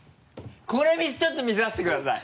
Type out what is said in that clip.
これちょっと見させてください。